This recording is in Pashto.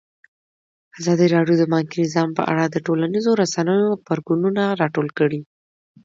ازادي راډیو د بانکي نظام په اړه د ټولنیزو رسنیو غبرګونونه راټول کړي.